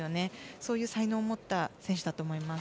そういう才能を持った選手だと思います。